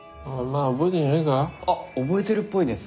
あっ覚えてるっぽいです。